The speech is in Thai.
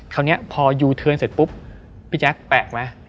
คราวนี้พอยูเทิร์นเสร็จปุ๊บพี่แจ๊คแปลกไหม